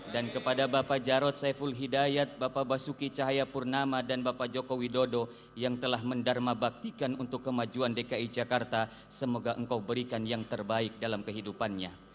dan kepada bapak jarod saiful hidayat bapak basuki cahaya purnama dan bapak joko widodo yang telah mendarma baktikan untuk kemajuan dki jakarta semoga engkau berikan yang terbaik dalam kehidupannya